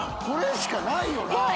これしかないよな。